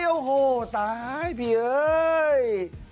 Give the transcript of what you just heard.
โอ้โหตายพี่เอ้ย